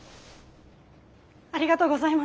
ありがとうございます。